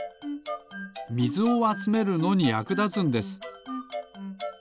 みずをあつめるのにやくだつんです。